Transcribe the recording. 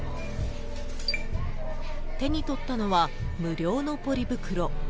［手に取ったのは無料のポリ袋］